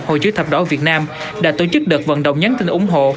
hội chữ thập đỏ việt nam đã tổ chức đợt vận động nhắn tin ủng hộ